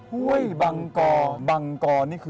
ห้วยบังกอ